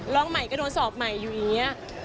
ร้องใหม่ก็โดนสอบใหม่อยู่อย่างนี้